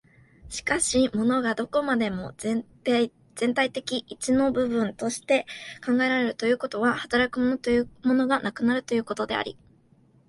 しかし物がどこまでも全体的一の部分として考えられるということは、働く物というものがなくなることであり、